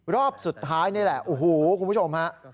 รอบสุดท้ายนี่แหละโอ้โหคุณผู้ชมฮะ